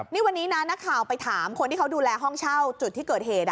นี่วันนี้นะนักข่าวไปถามคนที่เขาดูแลห้องเช่าจุดที่เกิดเหตุ